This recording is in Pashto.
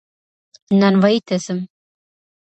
نانوايي ته ځم